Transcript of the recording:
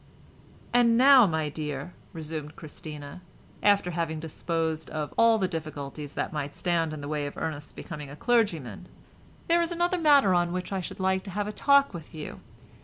"And now, my dear," resumed Christina, after having disposed of all the difficulties that might stand in the way of Ernest's becoming a clergyman, "there is another matter on which I should like to have a talk with you.